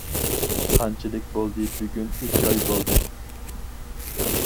قانچىلىك بولدى؟ بۈگۈن ئۈچ ئاي بولدى.